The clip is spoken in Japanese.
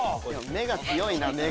目が強いな目が。